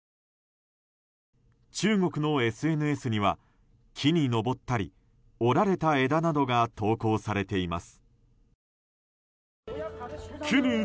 中国のＳＮＳには木に登ったり折られた枝などが投稿されています。